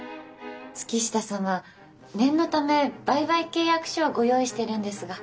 月下様念のため売買契約書をご用意してるんですが。